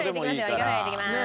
イカフライ入れていきまーす。